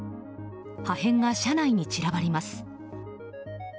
破片が車内に散らばります。